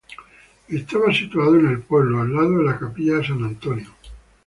Estaba situado en el pueblo al lado de la capilla de San Antonio.